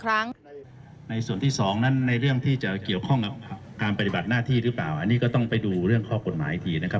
อันนี้ก็ต้องไปดูเรื่องข้อกฎหมายอีกทีนะครับ